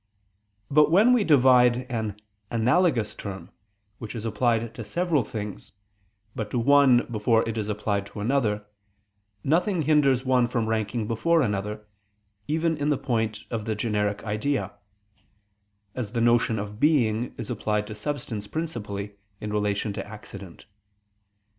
But when we divide an analogous term, which is applied to several things, but to one before it is applied to another, nothing hinders one from ranking before another, even in the point of the generic idea; as the notion of being is applied to substance principally in relation to accident.